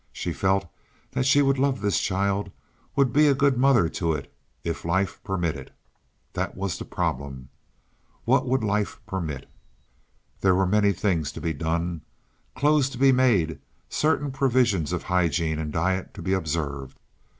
She felt that she would love this child, would be a good mother to it if life permitted. That was the problem—what would life permit? There were many things to be done—clothes to be made; certain provisions of hygiene and diet to be observed.